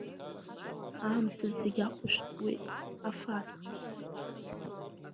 Аамҭа зегьы ахәышәтәуеит, афаст!